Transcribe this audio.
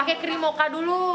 pakai krim mocha dulu